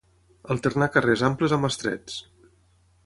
Alternar carrers amples amb estrets.